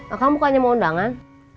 akang bukannya mau undangan